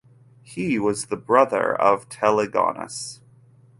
He was the brother of Telegonus.